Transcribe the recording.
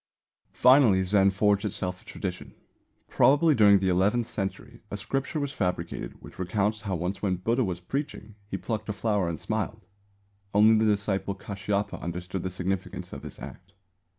Finally, Zen forged itself a tradition. Probably during the eleventh century a Scripture was fabricated which recounts how once when Buddha was preaching, he plucked a flower and smiled. Only the disciple Kāshyapa understood the significance of this act.